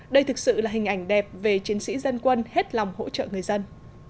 đây thực sự là hình ảnh đẹp về chiến sĩ dân quân hết lòng hỗ trợ người dân